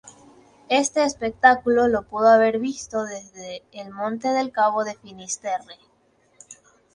Este espectáculo lo pudo haber visto desde el Monte del Cabo de Finisterre.